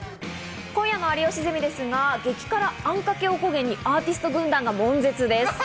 今夜の『有吉ゼミ』ですが、激辛あんかけおこげにアーティスト軍団が悶絶です。